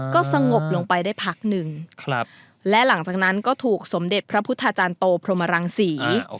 ก็สงบลงไปได้พักหนึ่งและหลังจากนั้นก็ถูกสมเด็จพระพุทธาจารย์โตพรหมรังศรี